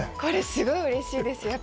すごくうれしいです。